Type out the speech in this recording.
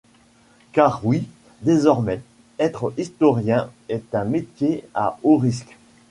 Car oui, désormais, être historien est un métier à haut risque.